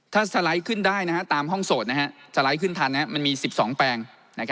ถ้าสไลด์ขึ้นได้ตามห้องโสดสไลด์ขึ้นทันมันมี๑๒แปลง